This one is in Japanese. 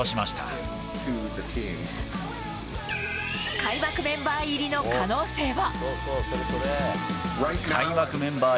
開幕メンバー入りの可能性は。